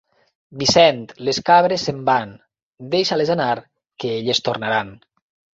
Vicent, les cabres se’n van! Deixa-les anar, que elles tornaran.